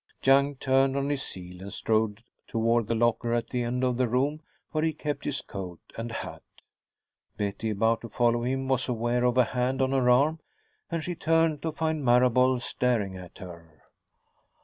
Young turned on his heel and strode toward the locker at the end of the room where he kept his coat and hat. Betty, about to follow him, was aware of a hand on her arm, and she turned to find Marable staring at her.